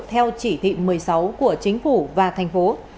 theo chỉ thị một mươi sáu của chính phủ và thành phố